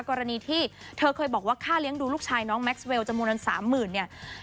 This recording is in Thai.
กรณีที่เธอเคยบอกว่าค่าเลี้ยงดูลูกชายน้องแม็กซเวลจำนวน๓๐๐๐เนี่ย